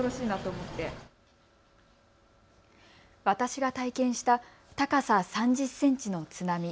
私が体験した高さ３０センチの津波。